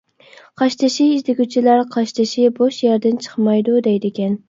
قاشتېشى ئىزدىگۈچىلەر قاشتېشى بوش يەردىن چىقمايدۇ، دەيدىكەن.